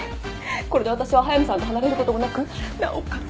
これで私は速見さんと離れることもなくなおかつ